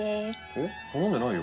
えっ頼んでないよ。